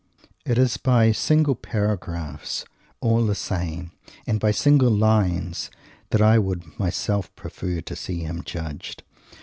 It is by single paragraphs, all the same, and by single lines, that I would myself prefer to see him judged.